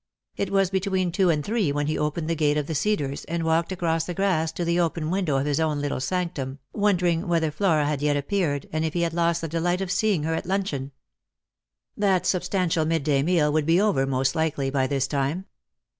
It was between two and three when he opened the gate of the Cedars, and walked across the grass to the open window of his own little sanctum, wondering whether Flora had yet appeared, and if he had lost the delight of seeing her at luncheon. That substan tial midday meal would be over most likely by this time.